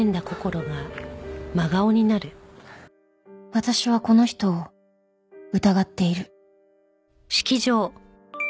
私はこの人を疑っている